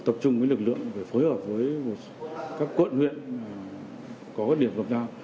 tập trung với lực lượng để phối hợp với các quận huyện có các điểm gập đao